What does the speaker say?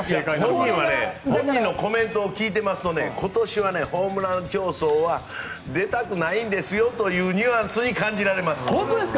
本人のコメントを聞いていますと今年はホームラン競争は出たくないんですよというニュアンスに感じられます。